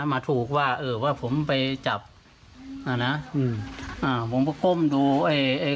มาถูกว่าเออว่าผมไปจับอ่านะอืมอ่าผมก็ก้มดูไอ้ไอ้